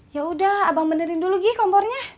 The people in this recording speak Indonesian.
ya udah abang benerin dulu gi kompornya